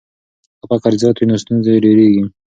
که فقر زیات وي نو ستونزې ډېریږي.